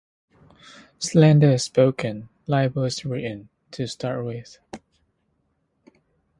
Slander is spoken; libel is written, to start with.